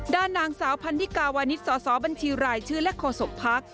ด้านนางสาวพันธิกาวานิสสบัญชีรายชื่อและโฆษกภักดิ์